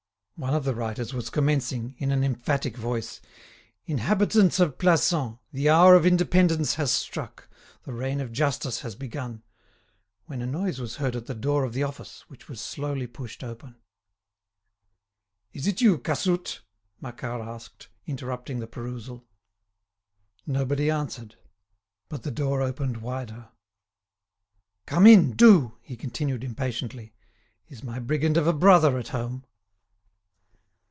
One of the writers was commencing, in an emphatic voice, "Inhabitants of Plassans, the hour of independence has struck, the reign of justice has begun——" when a noise was heard at the door of the office, which was slowly pushed open. "Is it you, Cassoute?" Macquart asked, interrupting the perusal. Nobody answered; but the door opened wider. "Come in, do!" he continued, impatiently. "Is my brigand of a brother at home?"